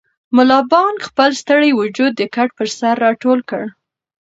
ملا بانګ خپل ستړی وجود د کټ پر سر راټول کړ.